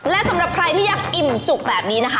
และสำหรับใครที่ยังอิ่มจุกแบบนี้นะคะ